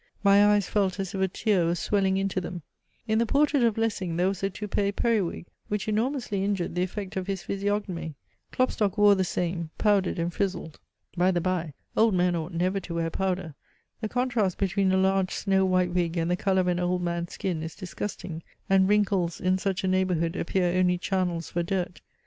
My eyes felt as if a tear were swelling into them. In the portrait of Lessing there was a toupee periwig, which enormously injured the effect of his physiognomy Klopstock wore the same, powdered and frizzled. By the bye, old men ought never to wear powder the contrast between a large snow white wig and the colour of an old man's skin is disgusting, and wrinkles in such a neighbourhood appear only channels for dirt.